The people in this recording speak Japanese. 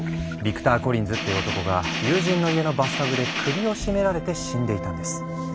ビクター・コリンズって男が友人の家のバスタブで首を絞められて死んでいたんです。